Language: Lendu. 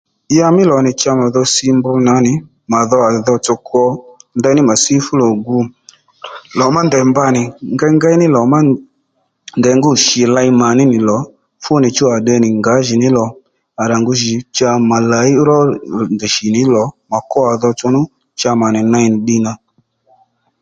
Ya mí lò nì chow mà dhó si mb nà nì mà dho mà dhotsò kwo ndaní mà sí fú lò gu lò má ndèy mba nì ngéyngéy ní lò má ndèy ngúnì shì ley màní nì lò fúnìchú à tde nì ngǎjìní lò à rà ngu jì cha mà làyi ró ndèy shì ní lò mà kwó à dhotsò nù cha mà nì ney nì ddiy nà